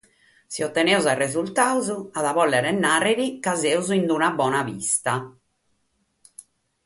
Si otenimus resultados, at a bòlere nàrrere chi semus in una bona pista.